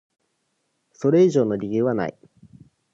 それ以上の理由はない。